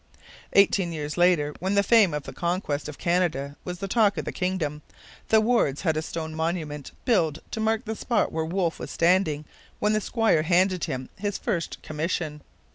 Eighteen years later, when the fame of the conquest of Canada was the talk of the kingdom, the Wardes had a stone monument built to mark the spot where Wolfe was standing when the squire handed him his first commission.